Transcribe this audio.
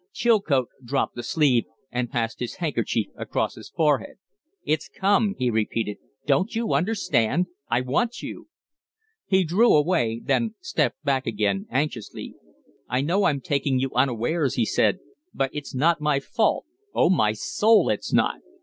Chilcote dropped the sleeve and passed his handkerchief across his forehead. "It's come," he repeated. "Don't you understand? I want you." He drew away, then stepped back again anxiously. "I know I'm taking you unawares," he said. "But it's not my fault. On my soul, it's not!